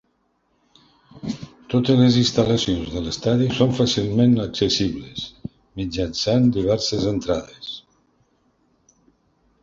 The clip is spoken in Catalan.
Totes les instal·lacions de l'estadi són fàcilment accessibles mitjançant diverses entrades.